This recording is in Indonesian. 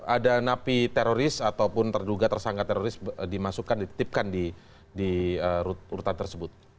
ada napi teroris ataupun terduga tersangka teroris dimasukkan dititipkan di urutan tersebut